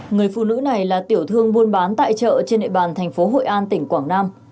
người phụ nữ này là tiểu thương buôn bán tại chợ trên địa bàn thành phố hội an tỉnh quảng nam